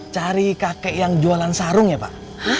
cari kakek yang jualan sarung ya pak